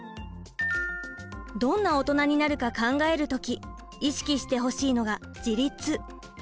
どんなオトナになるか考える時意識してほしいのが自立。